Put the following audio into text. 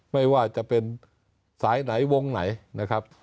ไม่ว่าจะเป็นสายไหนวงไหนนะครับ